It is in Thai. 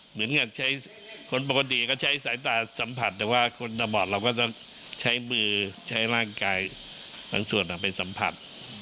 เหมือนกับใช้คนปกติก็ใช้สายตาสัมผัสแต่ว่าคนตาบอดเราก็จะใช้มือใช้ร่างกายบางส่วนไปสัมผัส